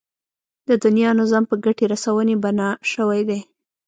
د دنيا نظام په ګټې رسونې بنا شوی دی.